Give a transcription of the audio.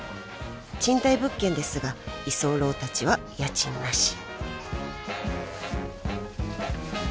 ［賃貸物件ですが居候たちは家賃なし］